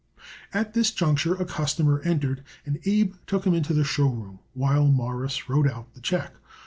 At this juncture a customer entered, and Abe took him into the show room, while Morris wrote out the check.